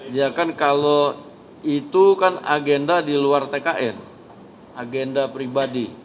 dia kan kalau itu kan agenda di luar tkn agenda pribadi